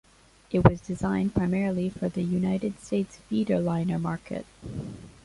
It was designed primarily for the United States "feederliner" market.